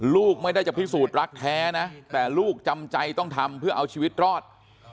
ลูกไม่ได้จะพิสูจน์รักแท้นะแต่ลูกจำใจต้องทำเพื่อเอาชีวิตรอด